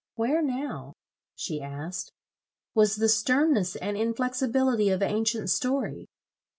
"Where now," she asked, "was the sternness and inflexibility of ancient story?